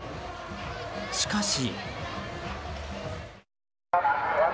しかし。